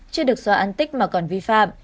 chưa được xóa ăn tích mà còn vi phạm